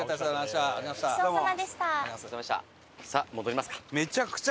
さあ戻りますか。